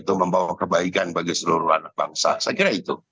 itu membawa kebaikan bagi seluruh anak bangsa saya kira itu